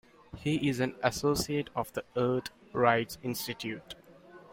He is an associate of the Earth Rights Institute.